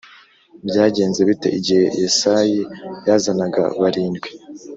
Byagenze bite igihe Yesayi yazanaga barindwi